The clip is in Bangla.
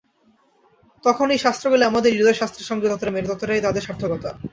তখন ঐ শাস্ত্রগুলি আমাদের হৃদয়শাস্ত্রের সঙ্গে যতটা মেলে, ততটাই তাদের সার্থকতা।